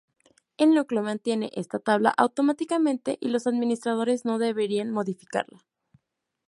El núcleo mantiene esta tabla automáticamente y los administradores no deberían modificarla.